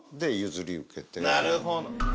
でなるほど。